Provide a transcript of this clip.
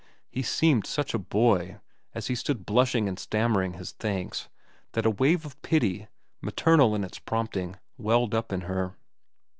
He seemed such a boy, as he stood blushing and stammering his thanks, that a wave of pity, maternal in its prompting, welled up in her.